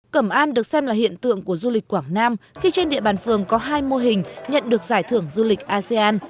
cẩm an được xem là hiện tượng của du lịch quảng nam khi trên địa bàn phường có hai mô hình nhận được giải thưởng du lịch asean